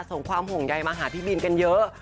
ส่งความห่วงใยมาหาพี่บินกันเยอะ